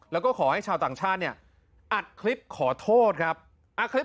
แล้วก็ขอให้ชาวต่างชาติเนี่ยอัดคลิปขอโทษครับ